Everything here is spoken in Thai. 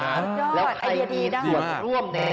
สุดยอดไอเดียดีด้วย